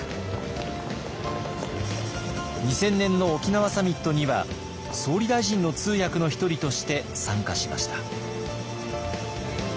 ２０００年の沖縄サミットには総理大臣の通訳の一人として参加しました。